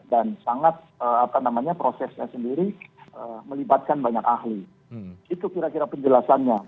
dan sangat apa namanya prosesnya sendiri melibatkan banyak ahli itu kira kira penjelasannya